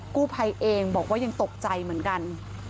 กู้ภัยเองบอกว่ายังตกใจเหมือนกัน